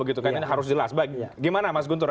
ini harus jelas gimana mas guntur